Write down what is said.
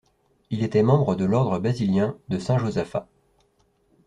Il était membre de l'Ordre basilien de saint Josaphat.